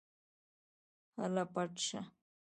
هله پټ شه.